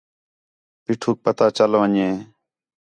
پیٹھوک پتہ چل ون٘ڄے